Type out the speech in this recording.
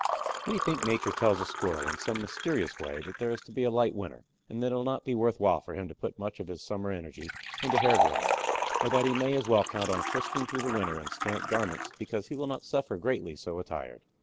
We think Nature tells the Squirrel in some mysterious way that there is to be a light winter and that it will not be worth while for him to put much of his summer energy into hair growing, or that he may as well count on frisking through the winter in scant garments because he will not suffer greatly so attired.